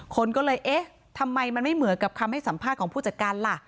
คนก็เลยทำไมมันไม่เหมือนกับคำสัมภาพผู้จัดการนะ